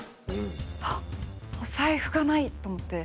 あっお財布がない！と思って。